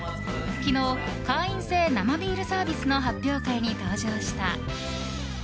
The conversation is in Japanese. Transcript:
昨日、会員制生ビールサービスの発表会に登場した。